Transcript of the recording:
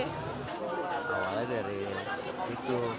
awalnya dari itu